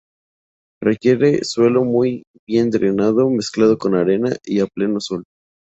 Requiere suelo muy bien drenado, mezclado con arena y a pleno sol.